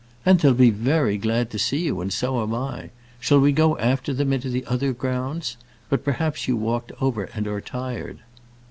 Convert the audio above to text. "And they'll be very glad to see you, and so am I. Shall we go after them into the other grounds? But perhaps you walked over and are tired."